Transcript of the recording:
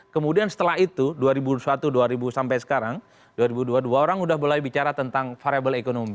kemudian setelah itu dua ribu satu dua ribu sampai sekarang dua ribu dua puluh dua orang sudah mulai bicara tentang variable ekonomi